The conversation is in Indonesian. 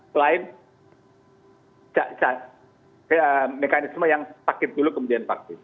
selain mekanisme yang sakit dulu kemudian vaksin